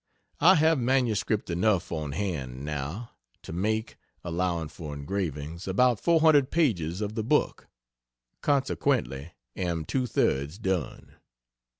I have MS. enough on hand now, to make (allowing for engravings) about 400 pages of the book consequently am two thirds done.